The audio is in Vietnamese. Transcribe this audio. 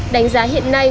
đánh giá hiện nay